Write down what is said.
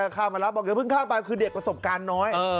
ข้ามมาแล้วบอกอย่าเพิ่งข้ามไปคือเด็กประสบการณ์น้อย